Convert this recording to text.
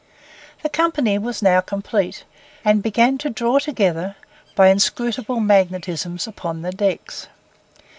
The company was now complete, and began to draw together, by inscrutable magnetisms, upon the decks.